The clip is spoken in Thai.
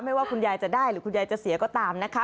ว่าคุณยายจะได้หรือคุณยายจะเสียก็ตามนะคะ